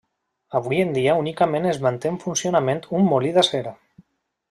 Avui en dia únicament es manté en funcionament un molí d'acer.